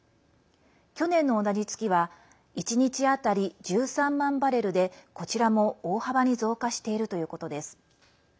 去年の同じ月は１日当たり１３万バレルでこちらも、大幅に増加しているということです。